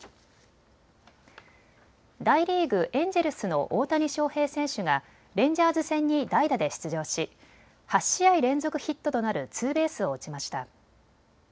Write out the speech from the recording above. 大リーグ、エンジェルスの大谷翔平選手がレンジャーズ戦に代打で出場し８試合連続ヒットとなるツーベースを打ちました。